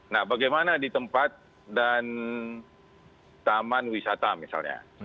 nah bagaimana di tempat dan taman wisata misalnya